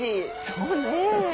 そうね。